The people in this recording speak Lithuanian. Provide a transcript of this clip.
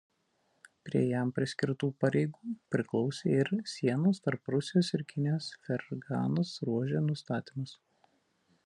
Prie jam priskirtų pareigų priklausė ir sienos tarp Rusijos ir Kinijos Ferganos ruože nustatymas.